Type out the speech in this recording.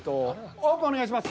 オープンお願いします。